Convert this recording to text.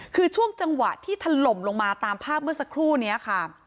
คือช่วงจังหวะที่ถล่มลงมาตามภาพเมื่อสักครู่นี้ค่ะ